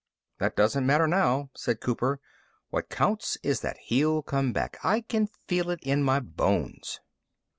"That doesn't matter now," said Cooper. "What counts is that he'll come back. I can feel it in my bones."